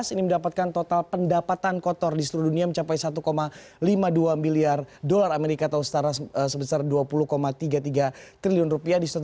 ini mendapatkan total pendapatan kotor di seluruh dunia mencapai satu lima puluh dua miliar dolar amerika atau setara sebesar dua puluh tiga puluh tiga triliun rupiah